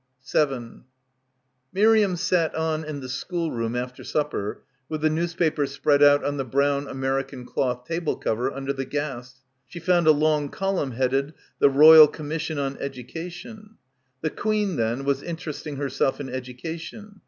7 Miriam sat on in the schoolroom after supper with the newspaper spread out on the brown American cloth table cover under the gas. She found a long column headed "The Royal Com mission on Education." The Queen, then, was interesting herself in education.